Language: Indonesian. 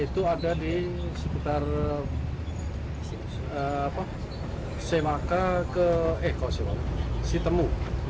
itu ada di seputar semaka ke sitemu